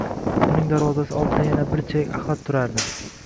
Uning darvozasi oldida yana bir chelak axlat turardi.